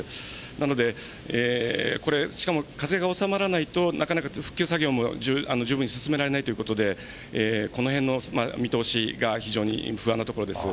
なのでこれ、しかも風が収まらないと、なかなか復旧作業も十分に進められないということで、このへんの見通しが非常に不安なところです。